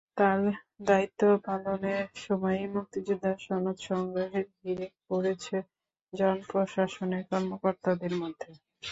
তাঁর দায়িত্ব পালনের সময়েই মুক্তিযোদ্ধা সনদ সংগ্রহের হিড়িক পড়েছে জনপ্রশাসনের কর্মকর্তাদের মধ্যে।